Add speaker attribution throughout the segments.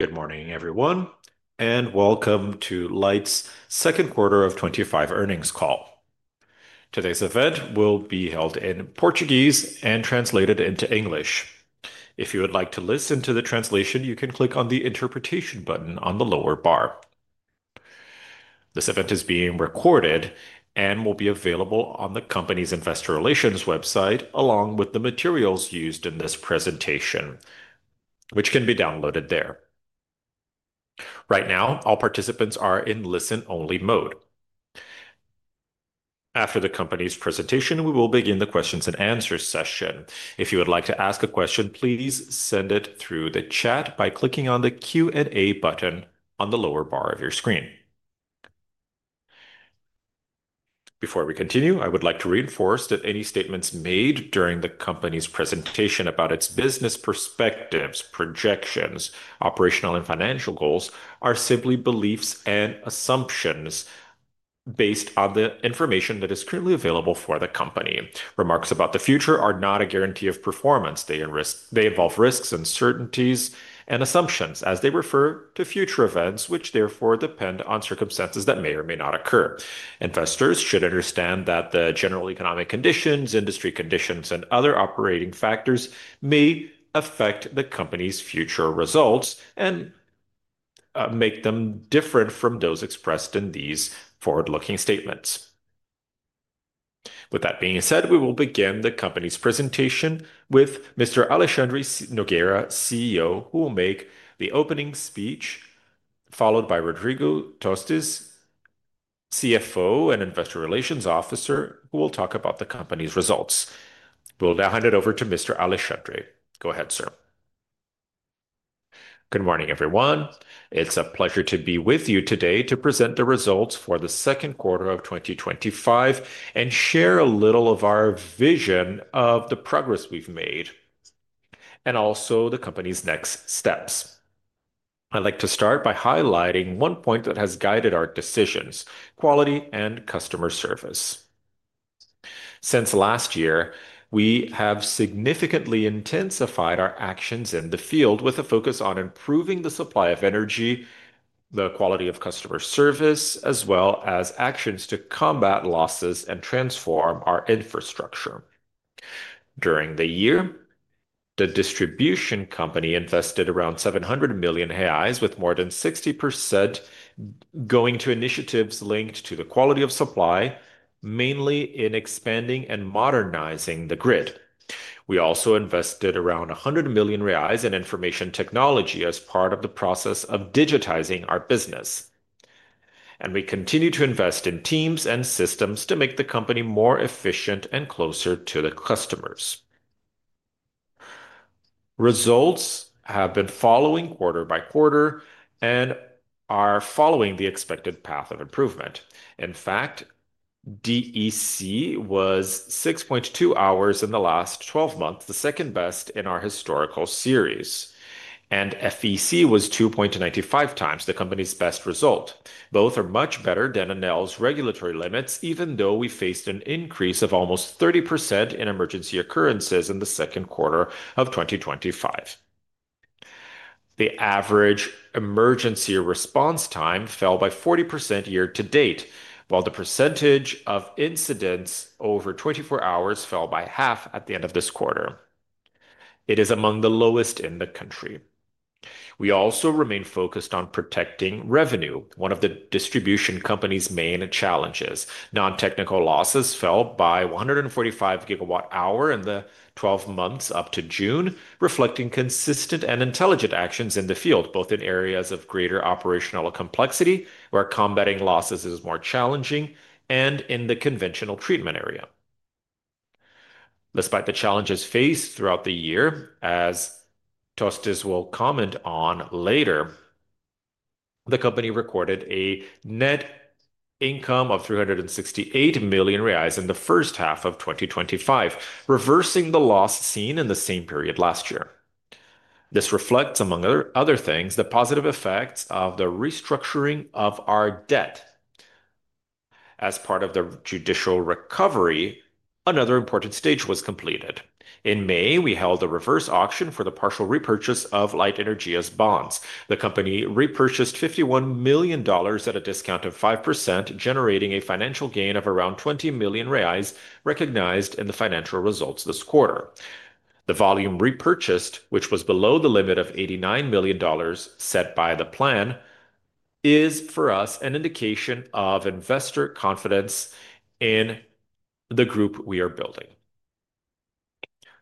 Speaker 1: Good morning, everyone, and welcome to Light's Second Quarter of 2025 Earnings Call. Today's event will be held in Portuguese and translated into English. If you would like to listen to the translation, you can click on the interpretation button on the lower bar. This event is being recorded and will be available on the company's investor relations website, along with the materials used in this presentation, which can be downloaded there. Right now, all participants are in listen-only mode. After the company's presentation, we will begin the questions and answers session. If you would like to ask a question, please send it through the chat by clicking on the Q&A button on the lower bar of your screen. Before we continue, I would like to reinforce that any statements made during the company's presentation about its business perspectives, projections, operational, and financial goals are simply beliefs and assumptions based on the information that is currently available for the company. Remarks about the future are not a guarantee of performance. They involve risks, uncertainties, and assumptions, as they refer to future events, which therefore depend on circumstances that may or may not occur. Investors should understand that the general economic conditions, industry conditions, and other operating factors may affect the company's future results and make them different from those expressed in these forward-looking statements. With that being said, we will begin the company's presentation with Mr. Alexandre Nogueira, CEO, who will make the opening speech, followed by Rodrigo Tostes, CFO and Investor Relations Officer, who will talk about the company's results. We'll now hand it over to Mr. Alexandre.
Speaker 2: Go ahead, sir. Good morning, everyone. It's a pleasure to be with you today to present the results for the second quarter of 2025 and share a little of our vision of the progress we've made and also the company's next steps. I'd like to start by highlighting one point that has guided our decisions: quality and customer service. Since last year, we have significantly intensified our actions in the field with a focus on improving the supply of energy, the quality of customer service, as well as actions to combat losses and transform our infrastructure. During the year, the distribution company invested around 700 million reais, with more than 60% going to initiatives linked to the quality of supply, mainly in expanding and modernizing the grid. We also invested around 100 million reais in information technology as part of the process of digitizing our business. We continue to invest in teams and systems to make the company more efficient and closer to the customers. Results have been following quarter by quarter and are following the expected path of improvement. In fact, DEC was 6.2 hours in the last 12 months, the second best in our historical series, and FEC was 2.95 times, the company's best result. Both are much better than regulatory limits, even though we faced an increase of almost 30% in emergency occurrences in the second quarter of 2025. The average emergency response time fell by 40% year to date, while the percentage of incidents over 24 hours fell by half at the end of this quarter. It is among the lowest in the country. We also remain focused on protecting revenue, one of the distribution company's main challenges. Non-technical losses fell by 145 gigawatt-hours in the 12 months up to June, reflecting consistent and intelligent actions in the field, both in areas of greater operational complexity, where combating losses is more challenging, and in the conventional treatment area. Despite the challenges faced throughout the year, as Tostes will comment on later, the company recorded a net income of 368 million reais in the first half of 2025, reversing the loss seen in the same period last year. This reflects, among other things, the positive effects of the restructuring of our debt. As part of the judicial recovery, another important stage was completed. In May, we held a reverse auction for the partial repurchase of Light Energia's bonds. The company repurchased $51 million at a discount of 5%, generating a financial gain of around 20 million reais, recognized in the financial results this quarter. The volume repurchased, which was below the limit of $89 million set by the plan, is for us an indication of investor confidence in the group we are building.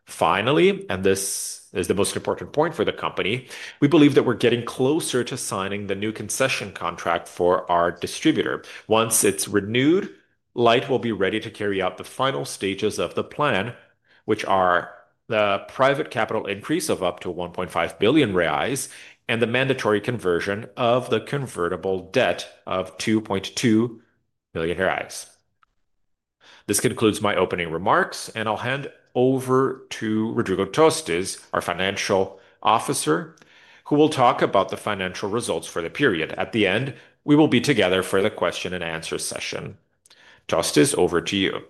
Speaker 2: Finally, and this is the most important point for the company, we believe that we're getting closer to signing the new distribution concession contract for our distributor. Once it's renewed, Light will be ready to carry out the final stages of the plan, which are the private capital increase of up to 1.5 billion reais and the mandatory conversion of the convertible debt of 2.2 million reais. This concludes my opening remarks, and I'll hand over to Rodrigo Tostes, our Financial Officer, who will talk about the financial results for the period. At the end, we will be together for the question and answer session. Tostes, over to you.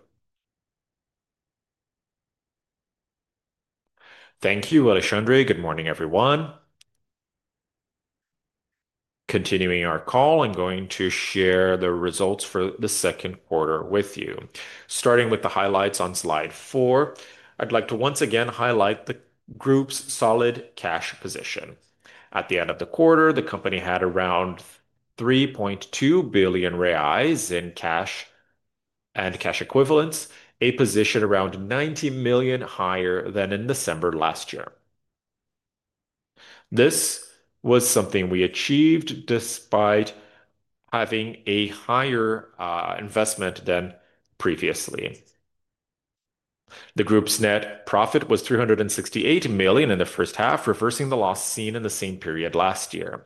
Speaker 3: Thank you, Alexandre. Good morning, everyone. Continuing our call, I'm going to share the results for the second quarter with you. Starting with the highlights on slide four, I'd like to once again highlight the group's solid cash position. At the end of the quarter, the company had around 3.2 billion reais in cash and cash equivalents, a position around 90 million higher than in December last year. This was something we achieved despite having a higher investment than previously. The group's net profit was 368 million in the first half, reversing the loss seen in the same period last year.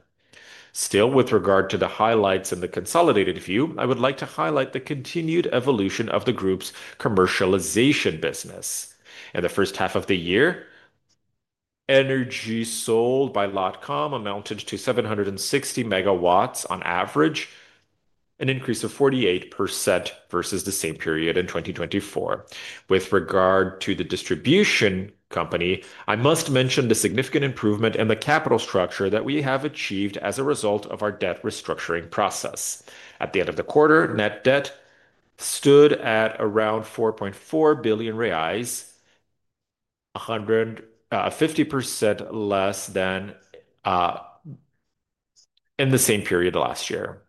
Speaker 3: Still, with regard to the highlights in the consolidated view, I would like to highlight the continued evolution of the group's commercialization business. In the first half of the year, energy sold by Lotcom amounted to 760 megawatts on average, an increase of 48% versus the same period in 2024. With regard to the distribution company, I must mention the significant improvement in the capital structure that we have achieved as a result of our debt restructuring process. At the end of the quarter, net debt stood at around 4.4 billion reais, 150% less than in the same period last year.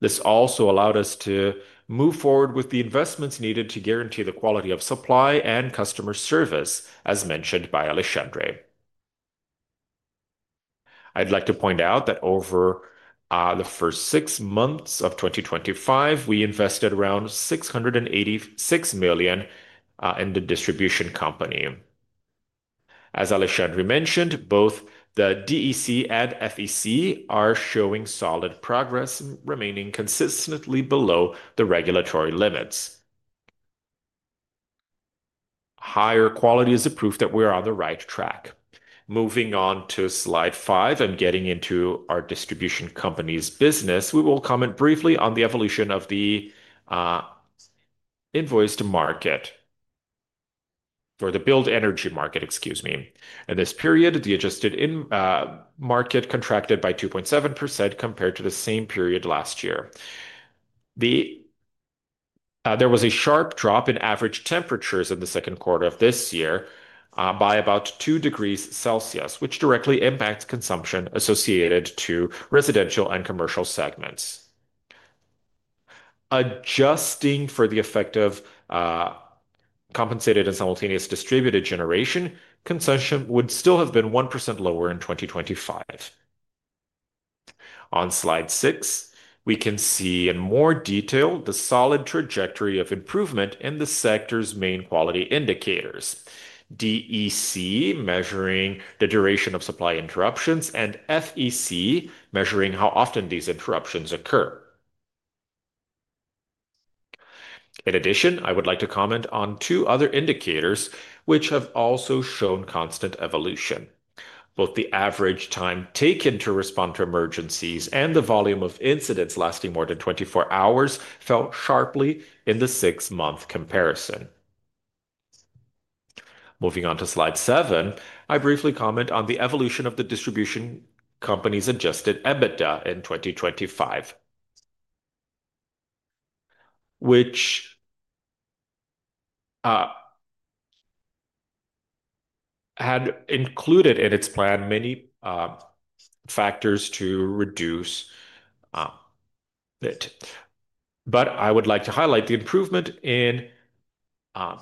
Speaker 3: This also allowed us to move forward with the investments needed to guarantee the quality of supply and customer service, as mentioned by Alexandre. I'd like to point out that over the first six months of 2025, we invested around 686 million in the distribution company. As Alexandre mentioned, both the DEC and FEC are showing solid progress, remaining consistently below the regulatory limits. Higher quality is the proof that we are on the right track. Moving on to slide five and getting into our distribution company's business, we will comment briefly on the evolution of the invoice to market for the billed energy market. In this period, the adjusted in market contracted by 2.7% compared to the same period last year. There was a sharp drop in average temperatures in the second quarter of this year by about two degrees Celsius, which directly impacts consumption associated to residential and commercial segments. Adjusting for the effect of compensated and simultaneous distributed generation, consumption would still have been 1% lower in 2025. On slide six, we can see in more detail the solid trajectory of improvement in the sector's main quality indicators, DEC measuring the duration of supply interruptions and FEC measuring how often these interruptions occur. In addition, I would like to comment on two other indicators which have also shown constant evolution. Both the average time taken to respond to emergencies and the volume of incidents lasting more than 24 hours fell sharply in the six-month comparison. Moving on to slide seven, I briefly comment on the evolution of the distribution company's adjusted EBITDA in 2025, which had included in its plan many factors to reduce it. I would like to highlight the improvement in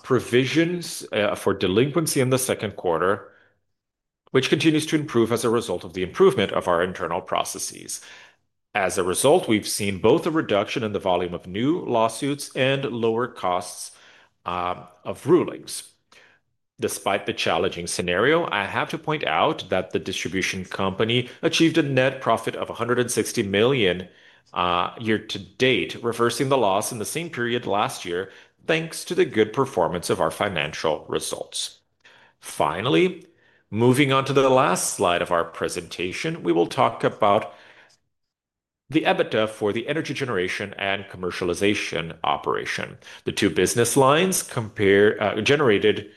Speaker 3: provisions for delinquency in the second quarter, which continues to improve as a result of the improvement of our internal processes. As a result, we've seen both a reduction in the volume of new lawsuits and lower costs of rulings. Despite the challenging scenario, I have to point out that the distribution company achieved a net profit of 160 million year to date, reversing the loss in the same period last year, thanks to the good performance of our financial results. Finally, moving on to the last slide of our presentation, we will talk about the EBITDA for the energy generation and commercialization operation. The two business lines generated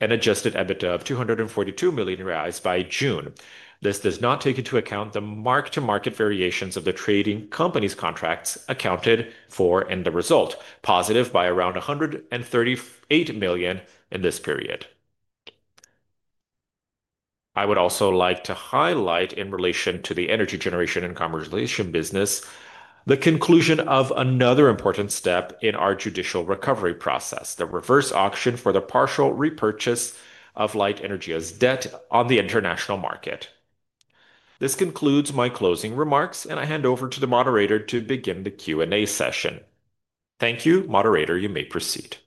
Speaker 3: an adjusted EBITDA of 242 million reais by June. This does not take into account the mark-to-market variations of the trading company's contracts accounted for in the result, positive by around 138 million in this period. I would also like to highlight, in relation to the energy generation and commercialization business, the conclusion of another important step in our judicial recovery process, the reverse auction for the partial repurchase of Light Energia's debt on the international market. This concludes my closing remarks, and I hand over to the moderator to begin the Q&A session. Thank you, moderator. You may proceed.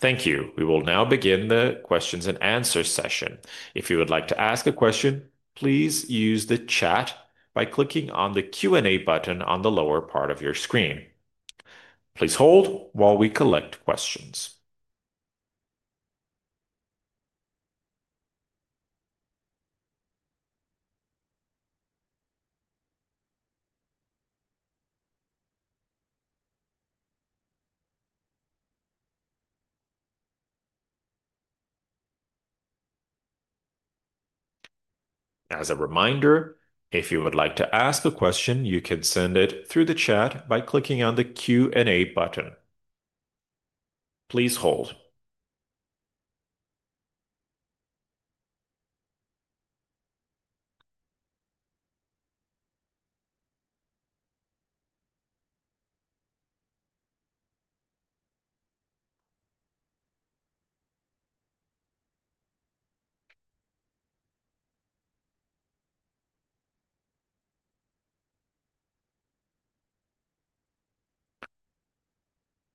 Speaker 1: Thank you. We will now begin the question and answer session. If you would like to ask a question, please use the chat by clicking on the Q&A button on the lower part of your screen. Please hold while we collect questions. As a reminder, if you would like to ask a question, you can send it through the chat by clicking on the Q&A button. Please hold.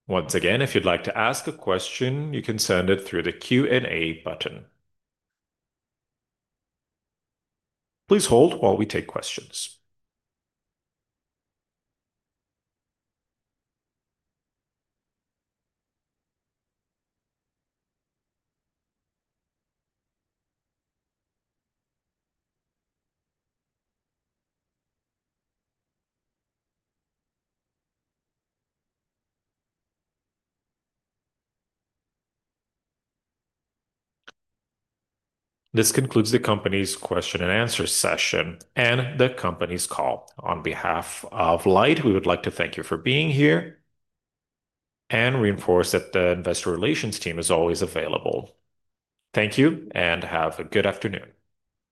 Speaker 1: Once again, if you'd like to ask a question, you can send it through the Q&A button. Please hold while we take questions. This concludes the company's question and answer session and the company's call. On behalf of Light, we would like to thank you for being here and reinforce that the investor relations team is always available. Thank you and have a good afternoon.